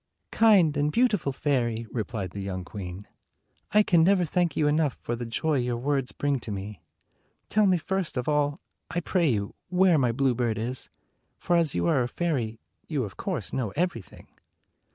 "Kind and beautiful fairy," replied the young queen, "I can never thank you enough for the joy your words bring to me. Tell me first of all, I pray you, where my bluebird is; for as you are a fairy, you of course know everything."